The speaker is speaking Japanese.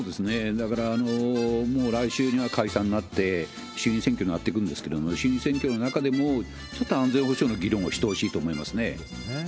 だからもう来週には解散になって、衆院選挙になってくるんですけれども、衆院選挙の中でも、ちょっと安全保障の議論をしてほしいと思いますね。